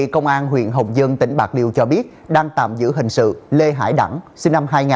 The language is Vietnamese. công an huyện hồng dân tỉnh bạc liêu cho biết đang tạm giữ hình sự lê hải đẳng sinh năm hai nghìn